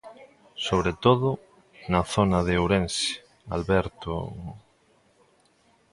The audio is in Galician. Sobre todo, na zona de Ourense, Alberto...